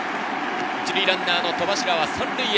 １塁ランナー戸柱は３塁へ。